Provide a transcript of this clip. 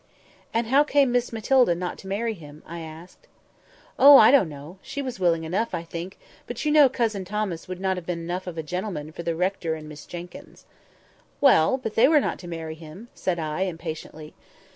"And how came Miss Matilda not to marry him?" asked I. "Oh, I don't know. She was willing enough, I think; but you know Cousin Thomas would not have been enough of a gentleman for the rector and Miss Jenkyns." "Well! but they were not to marry him," said I, impatiently.